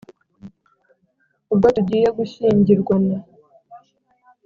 ubwo tugiye gushyingirwana